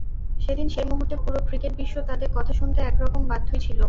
সেদিন, সেই মুহূর্তে পুরো ক্রিকেট বিশ্ব তাদের কথা শুনতে একরকম বাধ্যই ছিল।